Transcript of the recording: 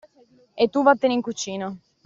E tu vattene in cucina.